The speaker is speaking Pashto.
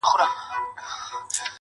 جنگ روان ـ د سولي په جنجال کي کړې بدل